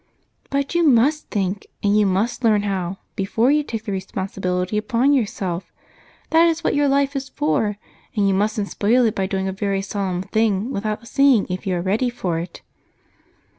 "But you must think, and you must learn how before you take the responsibility upon yourself. That is what your life is for, and you mustn't spoil it by doing a very solemn thing without seeing if you are ready for it."